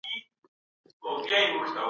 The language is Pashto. ایا دولت به نوي پلانونه پلي کړي؟